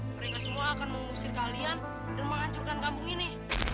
mereka semua akan mengusir kalian dan menghancurkan kampung ini